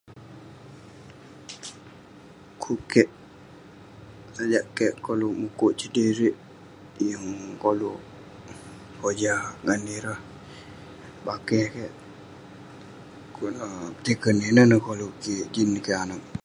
Ukuk kik, sajak kik koluk mukuk sedirik. yeng koluk pojah ngan ireh bakeh kik, pukuk neh petiken inen neh koluk kik jin kik anag.